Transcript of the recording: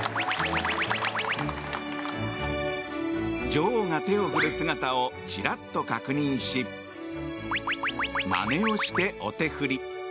女王が手を振る姿をちらっと確認しまねをしてお手振り。